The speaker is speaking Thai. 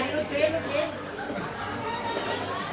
นี่นู้นเฟซ